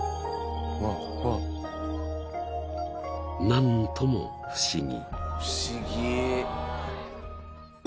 ［何とも不思議］